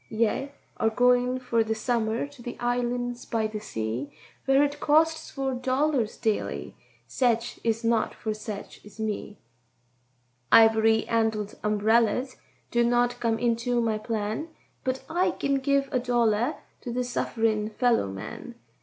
"Ye are goin' for the summer to the islands by the sea, Where it costs four dollars daily—setch is not for setch as me; Iv'ry handled umberellers do not come into my plan, But I kin give a dollar to this suff'rin' fellow man.